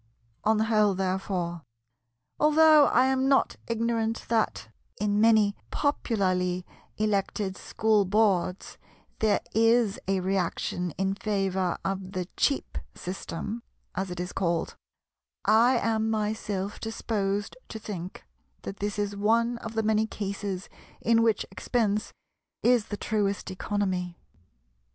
On the whole therefore—although I am not ignorant that, in many popularly elected School Boards, there is a reaction in favour of "the cheap system" as it is called—I am myself disposed to think that this is one of the many cases in which expense is the truest economy.